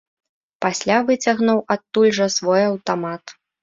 Пасля выцягнуў адтуль жа свой аўтамат.